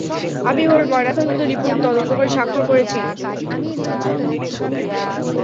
আমি ওর ময়নাতদন্ত রিপোর্ট তদন্ত করে স্বাক্ষর করেছি।